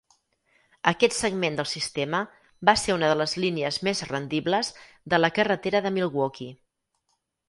Aquest segment del sistema va ser una de les línies més rendibles de la carretera de Milwaukee.